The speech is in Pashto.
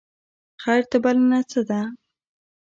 خیر ته بلنه څه ده؟